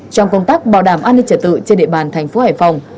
trong công tác bảo đảm an ninh trật tự trên địa bàn thành phố hải phòng